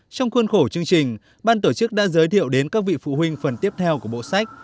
trong khuôn khổ chương trình ban tổ chức đã giới thiệu đến các vị phụ huynh phần tiếp theo của bộ sách